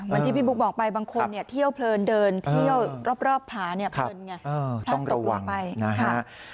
อย่างที่พี่บุ๊คบอกไปบางคนเนี่ยเที่ยวเพลินเดินเที่ยวรอบผาเนี่ยเพลินไงท่านต้องระวังนะฮะ